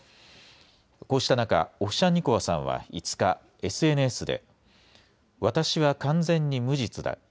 こうした中、オフシャンニコワさんは５日、ＳＮＳで、私は完全に無実だ。